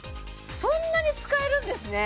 そんなに使えるんですね